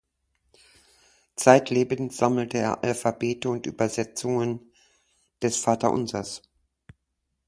Zeitlebens sammelte er Alphabete und Übersetzungen des Vaterunsers.